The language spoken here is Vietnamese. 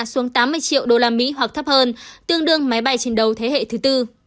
xuống tám mươi triệu usd hoặc thấp hơn tương đương máy bay chiến đấu thế hệ thứ tư